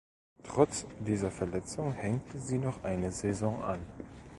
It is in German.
Trotz dieser Verletzung hängte sie noch eine Saison an.